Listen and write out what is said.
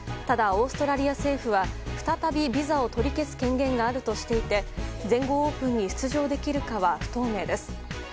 ただ、オーストラリア政府は再びビザを取り消す権限があるとしていて全豪オープンに出場できるかは不透明です。